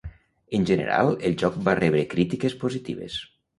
En general el joc va rebre crítiques positives.